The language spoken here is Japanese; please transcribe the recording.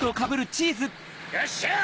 よっしゃ！